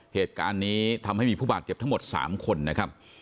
เหตุการณ์นี้ทำให้มีผู้บาดเจ็บทั้งหมด๓คนนะครับ